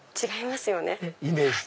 違いますよね。